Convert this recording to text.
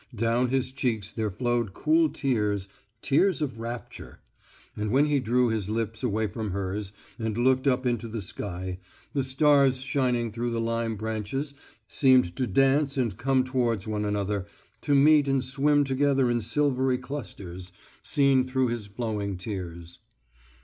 Down his cheeks there flowed cool tears, tears of rapture. And when he drew his lips away from hers and looked up into the sky, the stars shining through the lime branches seemed to dance and come towards one another, to meet and swim together in silvery clusters, seen through his flowing tears.